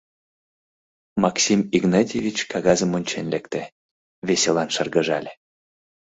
Максим Игнатьевич кагазым ончен лекте, веселан шыргыжале.